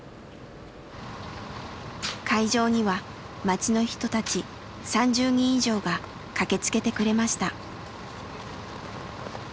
会場には町の人たち３０人以上が駆けつけてくれました。